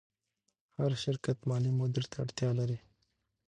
هر شرکت مالي مدیر ته اړتیا لري.